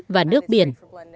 và nước biển